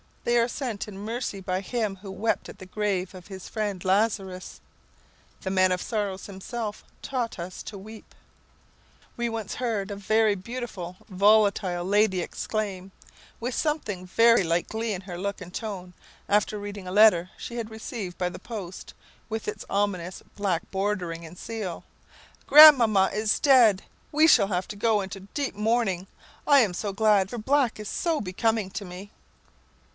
They are sent in mercy by Him who wept at the grave of his friend Lazarus. The man of sorrows himself taught us to weep. We once heard a very beautiful volatile young lady exclaim, with something very like glee in her look and tone, after reading a letter she had received by the post, with its ominous black bordering and seal "Grandmamma is dead! We shall have to go into deep mourning. I am so glad, for black is so becoming to me!"